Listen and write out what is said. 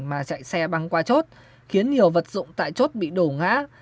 mà chạy xe băng qua chốt khiến nhiều vật dụng tại chỗ bị đổ ngã